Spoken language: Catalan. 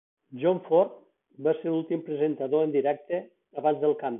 John Ford va ser l'últim presentador en directe abans del canvi.